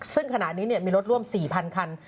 ซึ่งขณะนี้มีรถร่วม๔๐๐คัน